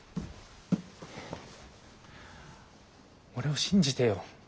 俺を信じてよ。